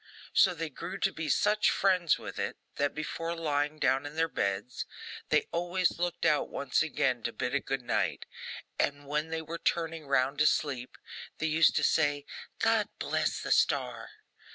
So they grew to be such friends with it, that, before lying down in their beds, they always looked out once again, to bid it good night; and when they were turning round to sleep, they used to say, 'God bless the star!